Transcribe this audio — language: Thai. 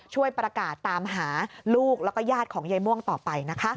ช่วยประกาศตามหาลูกแล้วก็ญาติของยายม่วงต่อไปนะคะ